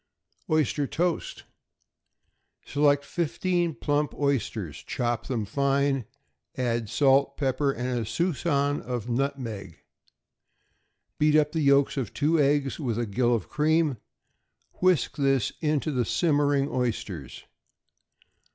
=Oyster Toast.= Select fifteen plump oysters; chop them fine, and add salt, pepper, and a suspicion of nutmeg. Beat up the yolks of two eggs with a gill of cream; whisk this into the simmering oysters.